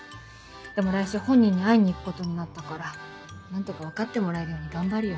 でも来週本人に会いに行くことになったから何とか分かってもらえるように頑張るよ。